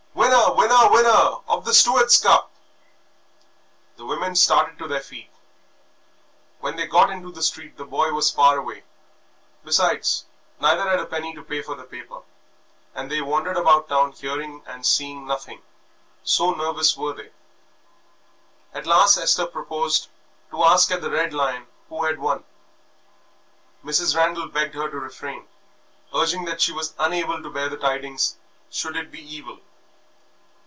"Winner, winner, winner of the Stewards' Cup!" The women started to their feet. When they got into the street the boy was far away; besides, neither had a penny to pay for the paper, and they wandered about the town hearing and seeing nothing, so nervous were they. At last Esther proposed to ask at the "Red Lion" who had won. Mrs. Randal begged her to refrain, urging that she was unable to bear the tidings should it be evil.